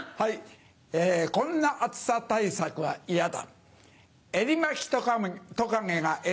こんな暑さ対策は嫌だ。